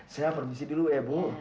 saya permisi dulu ya bu